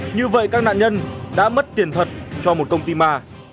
như vậy các nạn nhân đã mất tiền thật cho một công ty mà